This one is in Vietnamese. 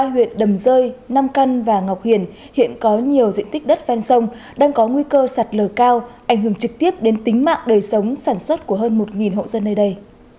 ba huyện đầm rơi nam căn và ngọc hiền hiện có nhiều diện tích đất ven sông đang có nguy cơ sạt lở cao ảnh hưởng trực tiếp đến tính mạng đời sống sản xuất của hơn một hộ dân nơi đây